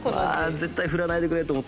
絶対振らないでくれと思った。